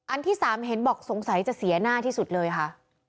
ที่๓เห็นบอกสงสัยจะเสียหน้าที่สุดเลยค่ะ